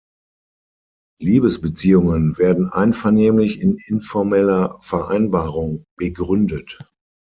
Liebesbeziehungen werden einvernehmlich in informeller Vereinbarung begründet.